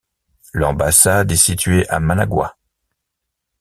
L'ambassade est située à Managua.